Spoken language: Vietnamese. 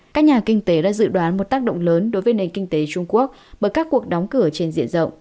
các nhà kinh tế đã dự đoán một tác động lớn đối với nền kinh tế trung quốc bởi các cuộc đóng cửa trên diện rộng